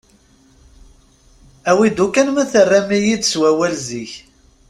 Awi-d ukkan ma terram-iyi-d s wawal zik.